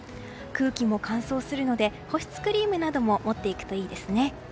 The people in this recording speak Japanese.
空気も乾燥するので保湿クリームなども持っていくといいですね。